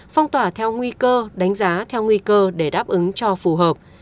phong tỏa theo nguy cơ đánh giá theo nguy cơ để đáp ứng cho phù hợp